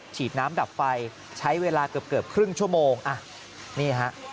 ฉีดน้ำดับไฟใช้เวลาเกือบเกือบครึ่งชั่วโมงอ่ะนี่ฮะ